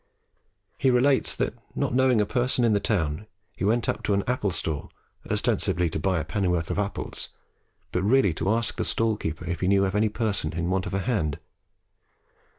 He relates that, not knowing a person in the town, he went up to an apple stall ostensibly to buy a pennyworth of apples, but really to ask the stall keeper if he knew of any person in want of a hand.